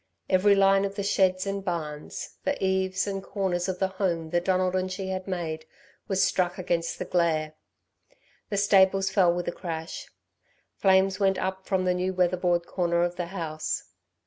Every line of the sheds and barns, the eaves and corners of the home that Donald and she had made, was struck against the glare. The stables fell with a crash. Flames went up from the new weatherboard corner of the house.